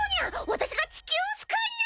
私が地球を救うにゃ！